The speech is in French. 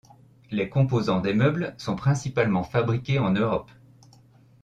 Les composants des meubles sont principalement fabriqués en Europe.